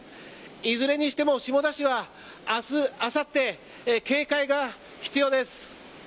いずれにしても下田市は明日、あさって警戒が必要です。